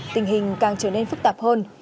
tình hình càng trở nên phức tạp hơn